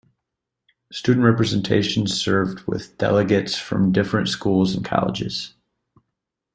Student representation served with delegates from different schools and colleges.